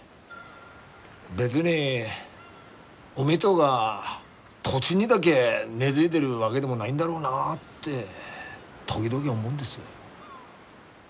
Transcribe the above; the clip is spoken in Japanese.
別に海とが土地にだげ根づいでるわげでもないんだろうなって時々思うんです。